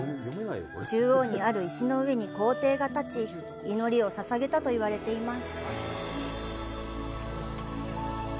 中央にある石の上に皇帝が立ち、祈りを捧げたといわれています。